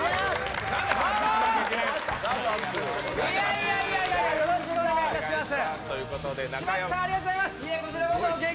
いやいやいや、よろしくお願いします。